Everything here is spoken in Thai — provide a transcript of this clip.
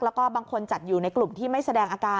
แล้วก็บางคนจัดอยู่ในกลุ่มที่ไม่แสดงอาการ